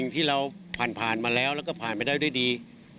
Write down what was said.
ที่เราผ่านมาแล้วแล้วก็ผ่านไปได้ด้วยดี